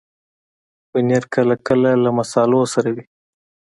پنېر کله کله له مصالحو سره وي.